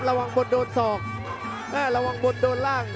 ระวังบนโดนศอกระวังบนโดนล่าง